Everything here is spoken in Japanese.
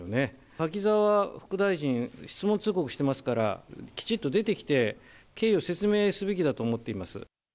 柿沢副大臣、質問通告してますから、きちっと出てきて、経緯を説明すべきだと思っています。